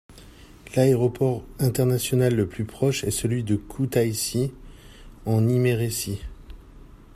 L'aéroport international le plus proche est celui de Koutaïssi, en Iméréthie.